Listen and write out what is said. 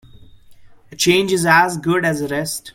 A change is as good as a rest.